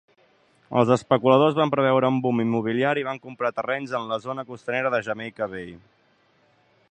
Els especuladors van preveure un "boom" immobiliari i van comprar terrenys en la zona costanera de Jamaica Bay.